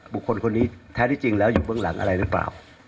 บุคคลคนนี้แท้ที่จริงแล้วอยู่เบื้องหลังอะไรหรือเปล่า